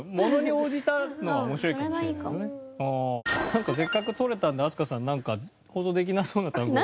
なんかせっかく録れたので飛鳥さんなんか放送できなそうな単語。